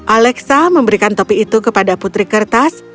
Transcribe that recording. alexa memberikan topi itu kepada putri kertas